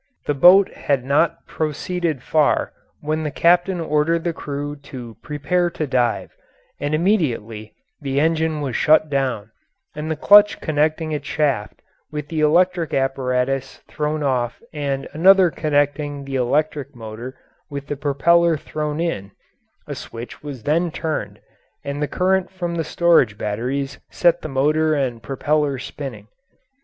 The boat had not proceeded far when the captain ordered the crew to prepare to dive, and immediately the engine was shut down and the clutch connecting its shaft with the electric apparatus thrown off and another connecting the electric motor with the propeller thrown in; a switch was then turned and the current from the storage batteries set the motor and propeller spinning.